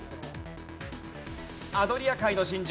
アドリア海の真珠。